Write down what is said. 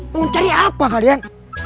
mau cari apa kalian